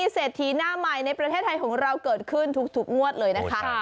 เศรษฐีหน้าใหม่ในประเทศไทยของเราเกิดขึ้นทุกงวดเลยนะคะ